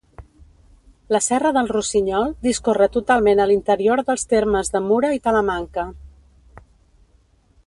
La Serra del Rossinyol discorre totalment a l'interior dels termes de Mura i Talamanca.